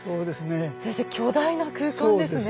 先生巨大な空間ですね。